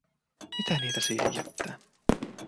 Mitä niitä siihen jättää?